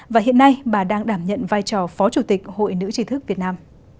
và hiện nay bà đang đảm nhận vai trò phó chủ tịch hội nữ tri thức việt nam